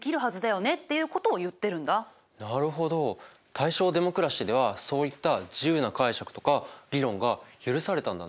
大正デモクラシーではそういった自由な解釈とか議論が許されたんだね。